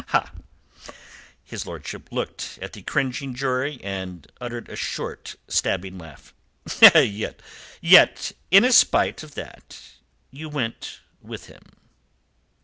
Ha!" His lordship looked at the cringing jury and uttered a short, stabbing laugh. "Yet in spite of that you went with him?"